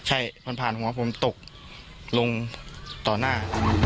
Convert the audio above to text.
ใช่มันผ่านหัวผมตกลงต่อหน้า